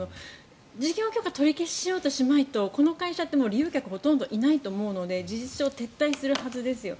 事業許可取り消しをしようとしまいとこの会社ってもう利用客いないと思うので事実上、撤退するはずですよ。